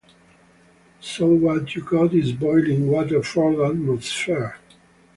So what you got is boiling water for atmosphere.